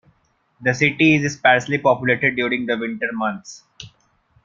The city is sparsely populated during the winter months.